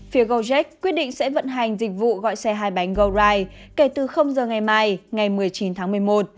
phía gojek quyết định sẽ vận hành dịch vụ gọi xe hai bánh goride kể từ h ngày mai ngày một mươi chín tháng một mươi một